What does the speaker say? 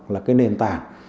là nền tảng